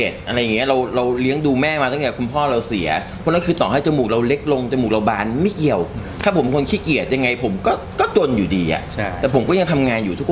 ฉีดโบท็อกแป๊บเดียวครับโบท็อกก็ประมาณสัก๒๐นาที